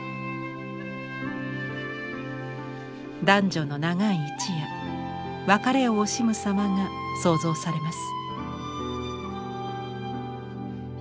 男女の長い一夜別れを惜しむ様が想像されます。